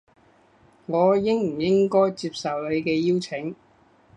我應唔應該接受你嘅邀請